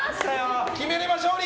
決めれば勝利！